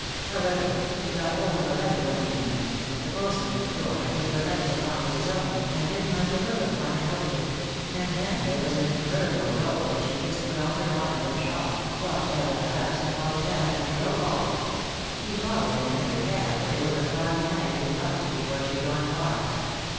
However, he got hold of a letter one evening — met the postman at the door and took her letters along with his own, and didn't like the look of one and opened it; and then there was an infernal row, and she just put on her bonnet and shawl, walked out of the house and called a cab and drove off. He followed in another cab, but it was a foggy night, and he lost her before she'd gone far.